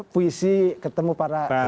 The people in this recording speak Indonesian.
puisi ketemu para